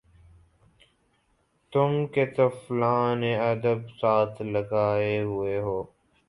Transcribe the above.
تُم کہ طفلانِ ادب ساتھ لگائے ہُوئے ہو